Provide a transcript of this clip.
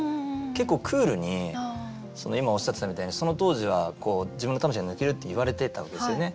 結構クールに今おっしゃってたみたいにその当時は自分の魂が抜けるっていわれてたわけですよね。